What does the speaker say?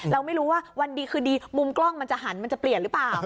เราไม่รู้ว่าวันดีคืนดีมุมกล้องมันจะหันมันจะเปลี่ยนหรือเปล่า